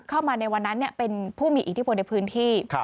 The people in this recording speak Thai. เข้ามาในวันนั้นเป็นผู้มีอิทธิพลในพื้นที่